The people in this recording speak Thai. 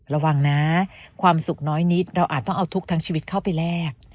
ระวังนะความสุขน้อยนิดเราอาจต้องเอาทุกข์ทั้งชีวิตเข้าไปแลก